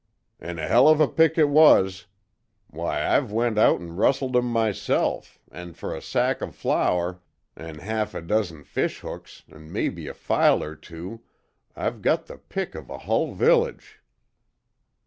"An' a hell of a pick it was! Why, I've went out an' rustled 'em myself, an' fer a sack of flour, an' a half a dozen fish hooks, an' mebbe a file er two, I've got the pick of a hull village."